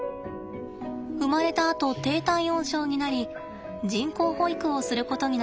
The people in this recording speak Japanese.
生まれたあと低体温症になり人工哺育をすることになりました。